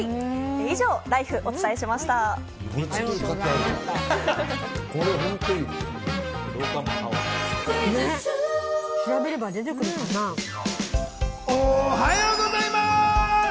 以上、ＬＩＦＥ、おはようございます。